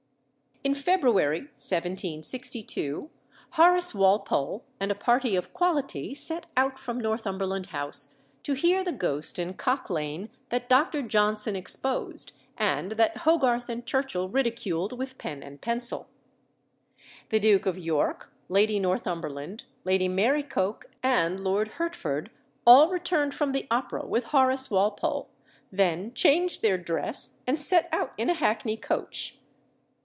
In February 1762 Horace Walpole and a party of quality set out from Northumberland House to hear the ghost in Cock Lane that Dr. Johnson exposed, and that Hogarth and Churchill ridiculed with pen and pencil. The Duke of York, Lady Northumberland, Lady Mary Coke, and Lord Hertford, all returned from the Opera with Horace Walpole, then changed their dress, and set out in a hackney coach.